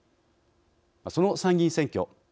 その参議院選挙。